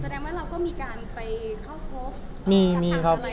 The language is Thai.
แสดงว่าเราก็มีการไปเข้าพบ